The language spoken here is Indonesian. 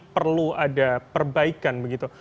perlu ada perbaikan begitu